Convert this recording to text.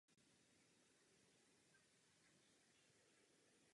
Periodikum doplňují pravidelně odborné tematické přílohy samostatné i v rámci časopisu.